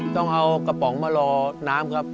ต้องเอากระป๋องมารอน้ำครับ